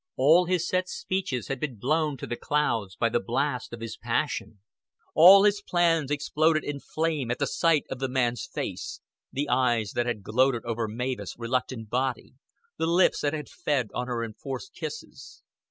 All his set speeches had been blown to the clouds by the blast of his passion. All his plans exploded in flame at the sight of the man's face the eyes that had gloated over Mavis' reluctant body, the lips that had fed on her enforced kisses.